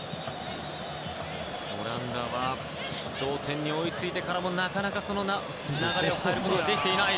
オランダは同点に追いついてからもなかなか流れを変えることができていない。